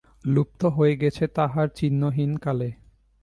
লুপ্ত হয়ে গেছে তাহা চিহ্নহীন কালে।